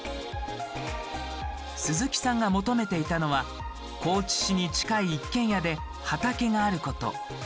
鈴木さんが求めていたのは高知市に近い一軒家で畑があること。